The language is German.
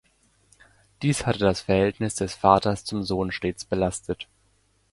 Dies hatte das Verhältnis des Vaters zum Sohn stets belastet.